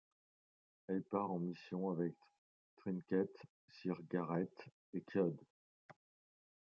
Elle part en mission avec Trinket, Sir Garrett et Clod.